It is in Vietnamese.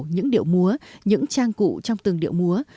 những điệu múa những trang cụ trong từng điệu múa